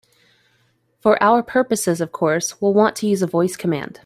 For our purposes, of course, we'll want to use a voice command.